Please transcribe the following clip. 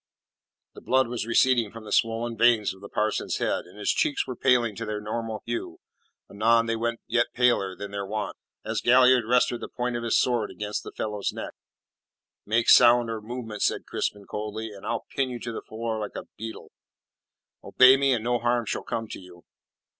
The blood was receding from the swollen veins of the parson's head, and his cheeks were paling to their normal hue. Anon they went yet paler than their wont, as Galliard rested the point of his sword against the fellow's neck. "Make sound or movement," said Crispin coldly, "and I'll pin you to the floor like a beetle. Obey me, and no harm shall come to you."